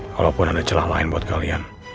kalaupun ada celah lain buat kalian